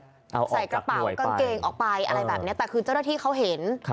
ใส่กระเป๋ากางเกงออกไปอะไรแบบนี้แต่คือเจ้าหน้าที่เขาเห็น